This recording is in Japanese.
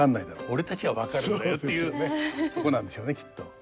俺たちは分かるんだよ」っていうねとこなんでしょうねきっと。